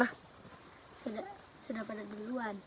sudah pada duluan